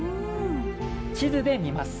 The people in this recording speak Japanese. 地図で見ます。